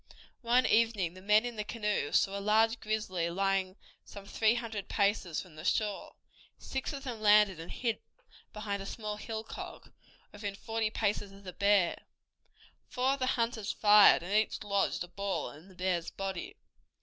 One evening the men in the canoes saw a large grizzly lying some three hundred paces from the shore. Six of them landed and hid behind a small hillock within forty paces of the bear; four of the hunters fired, and each lodged a ball in the bear's body.